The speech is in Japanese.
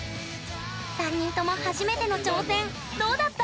３人とも初めての挑戦どうだった？